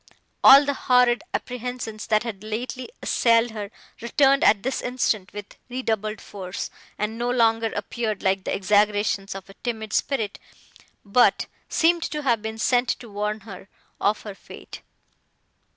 All the horrid apprehensions, that had lately assailed her, returned at this instant with redoubled force, and no longer appeared like the exaggerations of a timid spirit, but seemed to have been sent to warn her of her fate.